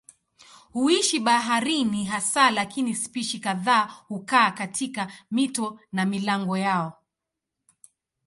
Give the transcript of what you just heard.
Huishi baharini hasa lakini spishi kadhaa hukaa katika mito na milango yao.